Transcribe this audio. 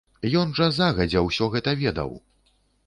Ён жа загадзя ўсё гэта ведаў!